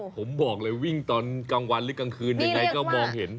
ผมบอกเลยวิ่งตอนกลางวันหรือกลางคืนยังไงก็มองเห็น